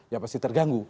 ya pasti terganggu